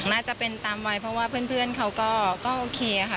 น่าจะเป็นตามวัยเพราะว่าเพื่อนเขาก็โอเคค่ะ